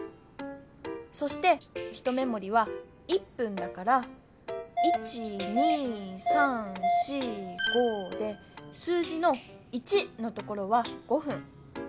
そして一目もりは１ぷんだから１２３４５で数字の「１」のところは５ふん。